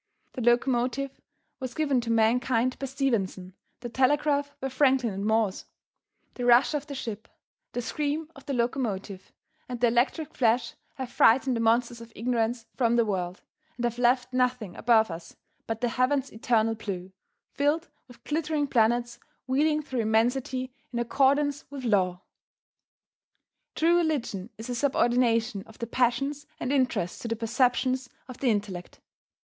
The locomotive was given to mankind by Stephenson; the telegraph by Franklin and Morse. The rush of the ship, the scream of the locomotive, and the electric flash have frightened the monsters of ignorance from the world, and have left nothing above us but the heaven's eternal blue, filled with glittering planets wheeling through immensity in accordance with Law. True religion is a subordination of the passions and interests to the perceptions of the intellect.